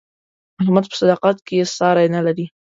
احمد په صداقت کې ساری نه لري.